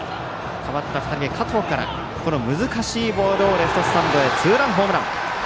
代わった２人目、加藤から難しいボールをレフトスタンドへツーランホームラン。